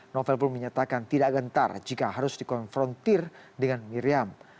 novel pun menyatakan tidak gentar jika harus dikonfrontir dengan miriam